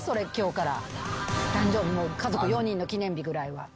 誕生日家族４人の記念日ぐらいは。